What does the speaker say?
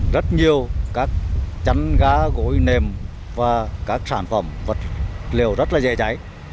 rất nhiều các chánh gá gối nềm và các sản phẩm vật liệu rất là dễ cháy